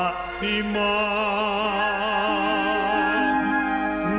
ไม่ได้ชีวภาษาสิ้นไป